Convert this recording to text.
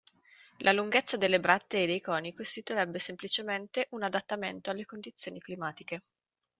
La lunghezza delle brattee dei coni costituirebbe semplicemente un adattamento alle condizioni climatiche.